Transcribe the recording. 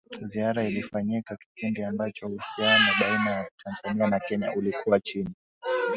Ziara ilifanyika kipindi ambacho uhusiano baina ya Tanzania na Kenya ulikuwa chini